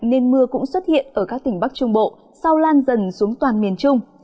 nên mưa cũng xuất hiện ở các tỉnh bắc trung bộ sau lan dần xuống toàn miền trung